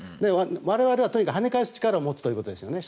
我々は跳ね返す力を持つということですね。